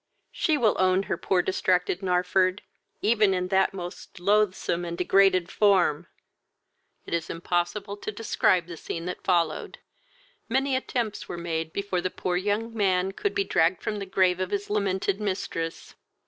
She will own her poor distracted Narford, even in that most loathsome and degraded form." It is impossible to describe the scene that followed. Many attempts were made before the poor young man could be dragged from the grave of his lamented mistress.